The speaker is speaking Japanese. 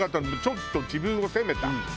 ちょっと自分を責めた。